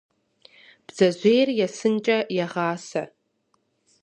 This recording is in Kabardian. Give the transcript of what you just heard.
Бдзэжьейр есынкӏэ егъасэ.